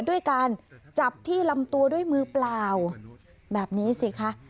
ด้วยการจับที่ลำตัวด้วยมือเปล่าแบบนี้สิคะ